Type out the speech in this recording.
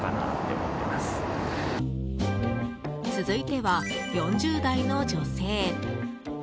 続いては、４０代の女性。